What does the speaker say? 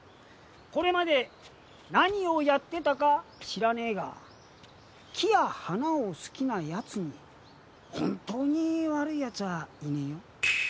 これまで何をやってたか知らねえが木や花を好きなヤツに本当に悪いヤツはいねえよ。